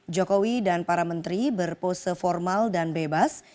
jokowi dan para menteri berpose formal dan bebas